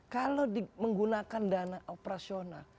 kalau menggunakan dana operasional